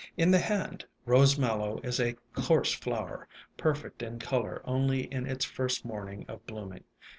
In the hand, Rose Mallow is a coarse flower, perfect in color only on its first morning of blooming.